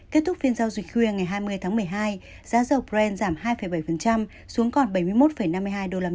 kết thúc phiên giao dịch khuya ngày hai mươi tháng một mươi hai giá dầu brent giảm hai bảy xuống còn bảy mươi một năm mươi hai usd